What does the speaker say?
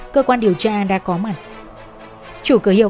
cơ quan điều tra đã có mặt chủ cửa hiệu